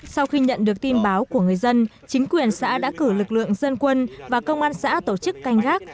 sau khi nhận được tin báo của người dân chính quyền xã đã cử lực lượng dân quân và công an xã tổ chức canh gác